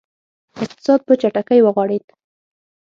اقتصاد په چټکۍ وغوړېد.